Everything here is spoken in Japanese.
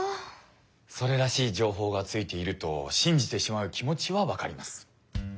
それらしい情報がついていると信じてしまう気持ちはわかります。